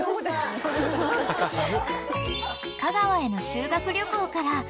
［香川への修学旅行から］